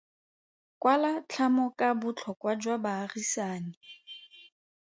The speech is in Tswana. Kwala tlhamo ka botlhokwa jwa baagisani.